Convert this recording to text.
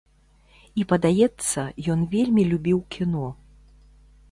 І падаецца, ён вельмі любіў кіно.